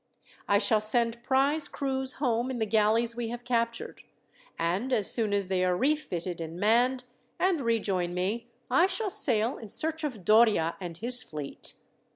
I shall send prize crews home in the galleys we have captured; and as soon as they are refitted and manned, and rejoin me, I shall sail in search of Doria and his fleet.